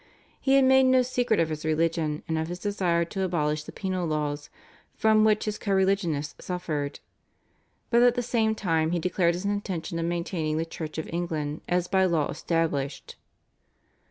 He had made no secret of his religion and of his desire to abolish the penal laws from which his co religionists suffered, but at the same time he declared his intention of maintaining the Church of England as by law established.